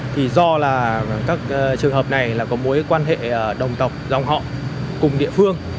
thì do là các trường hợp này là có mối quan hệ đồng tộc dòng họ cùng địa phương